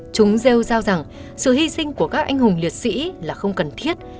chúng rêu rao rằng sự hy sinh của các anh hùng liệt sĩ là không cần thiết